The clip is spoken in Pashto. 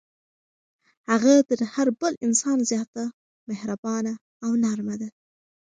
هغه تر هر بل انسان زیاته مهربانه او نرمه ده.